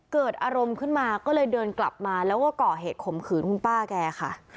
เกิดอารมณ์ขึ้นมาก็เลยเดินกลับมาแล้วก็ก่อเหตุข่มขืนคุณป้าแกค่ะ